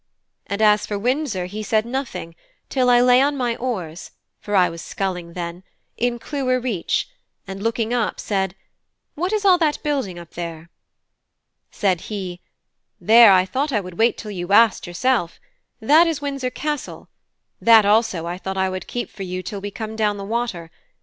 And as for Windsor, he said nothing till I lay on my oars (for I was sculling then) in Clewer reach, and looking up, said, "What is all that building up there?" Said he: "There, I thought I would wait till you asked, yourself. That is Windsor Castle: that also I thought I would keep for you till we come down the water.